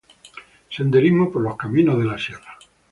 Senderismo por los caminos de la sierra.